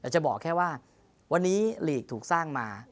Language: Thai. จะบอกแค่ว่าวันนี้ลีกถูกสร้างมา